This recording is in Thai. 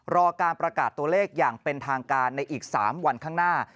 รอการประกาศตัวเลขอย่างเป็นทางการในอีก๓วันข้างหน้า